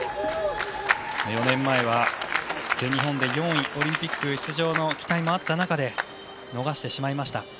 ４年前は全日本で４位オリンピック出場の期待もあった中で逃しました。